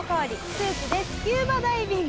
スーツでスキューバダイビング。